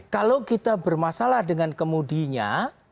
kalau kita bermasalah dengan kemudinya